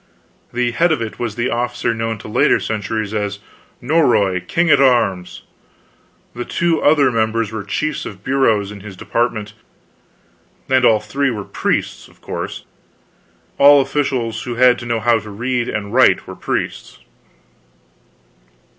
The head of it was the officer known to later centuries as Norroy King at Arms! The two other members were chiefs of bureaus in his department; and all three were priests, of course; all officials who had to know how to read and write were priests.